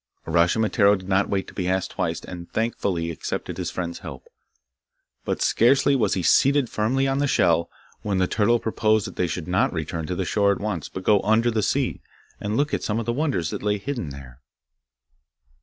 Uraschimataro did not wait to be asked twice, and thankfully accepted his friend's help. But scarcely was he seated firmly on the shell, when the turtle proposed that they should not return to the shore at once, but go under the sea, and look at some of the wonders that lay hidden there.